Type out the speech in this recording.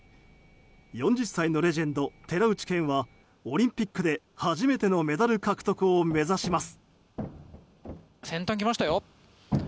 ４０歳のレジェンド寺内健はオリンピックで初めてのメダル獲得を目指します。